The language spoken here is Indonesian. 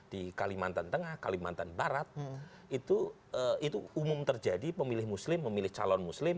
di kalimantan tengah kalimantan barat itu umum terjadi pemilih muslim memilih calon muslim